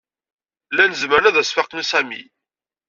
Llan zemren ad as-faqen i Sami.